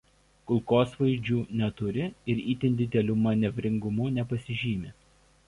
Kulkosvaidžių neturi ir itin dideliu manevringumu nepasižymi.